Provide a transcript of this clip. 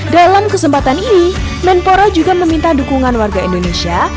dalam kesempatan ini menpora juga meminta dukungan warga indonesia